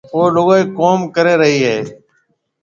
او لُگائي ڪوم ڪري رئي هيَ۔